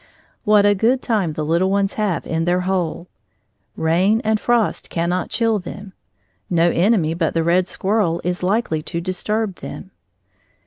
What a good time the little ones have in their hole! Rain and frost cannot chill them; no enemy but the red squirrel is likely to disturb them.